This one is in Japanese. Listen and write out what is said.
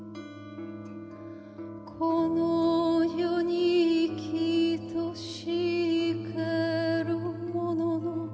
「この世に生きとし生けるものの」